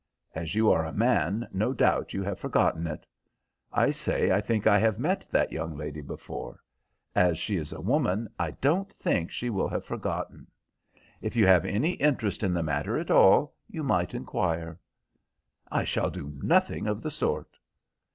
As you are a man no doubt you have forgotten it. I say I think I have met that young lady before. As she is a woman I don't think she will have forgotten. If you have any interest in the matter at all you might inquire." "I shall do nothing of the sort."